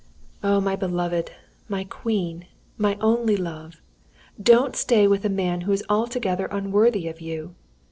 "Oh, my beloved my queen my only Love don't stay with a man who is altogether unworthy of you!